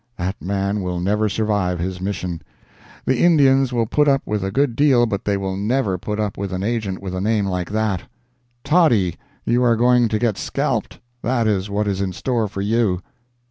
That man will never survive his mission. The Indians will put up with a good deal, but they will never put up with an Agent with a name like that. Toddy, you are going to get scalped. That is what is in store for you.